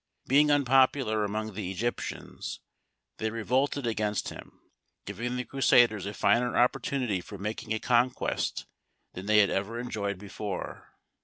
Being unpopular among the Egyptians, they revolted against him, giving the Crusaders a finer opportunity for making a conquest than they had ever enjoyed before.